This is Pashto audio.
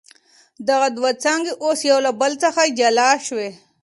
دغه دوه څانګي اوس يو له بل څخه جلا سوې.